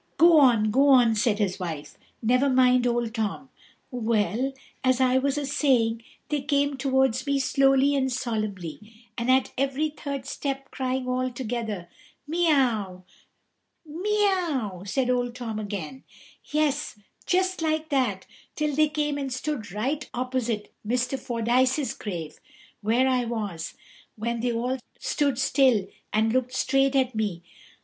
"Go on, go on," said his wife; "never mind Old Tom." "Well, as I was a saying, they came towards me slowly and solemnly, and at every third step crying all together, Miaou! " "Miaou!" said Old Tom again. "Yes, just like that, till they came and stood right opposite Mr. Fordyce's grave, where I was, when they all stood still and looked straight at me.